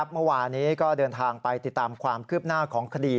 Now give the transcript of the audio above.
เมื่อวานี้ก็เดินทางไปติดตามความคืบหน้าของคดี